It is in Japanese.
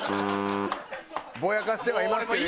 ぼやかしてはいますけど。